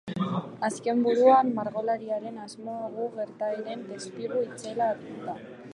Azken buruan, margolariaren asmoa gu gertaeren testigu izatea da.